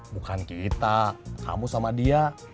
bukan kita kamu sama dia